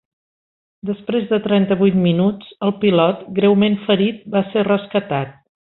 Després de trenta-vuit minuts, el pilot, greument ferit, va ser rescatat.